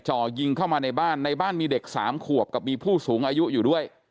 จ่อยิงเข้ามาในบ้านในบ้านมีเด็กสามขวบกับมีผู้สูงอายุอยู่ด้วย